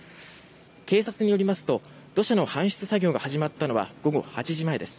警察によりますと土砂の搬出作業が始まったのは午後８時前です。